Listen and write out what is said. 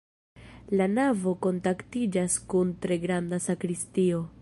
La navo kontaktiĝas kun tre granda sakristio.